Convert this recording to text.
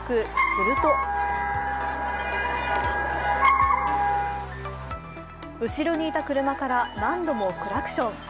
するとすると、後ろにいた車から何度もクラクション。